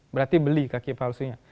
berarti beli kaki palsunya